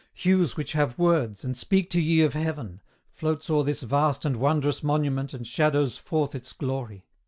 Hues which have words, and speak to ye of heaven, Floats o'er this vast and wondrous monument, And shadows forth its glory.